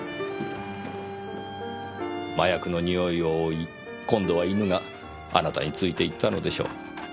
麻薬の匂いを追い今度は犬があなたについていったのでしょう。